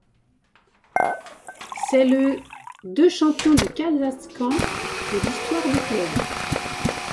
C'est le de champion du Kazakhstan de l'histoire du club.